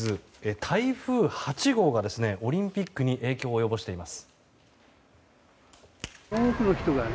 台風８号がオリンピックに影響を及ぼしています。